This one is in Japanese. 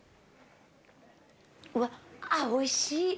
おいしい！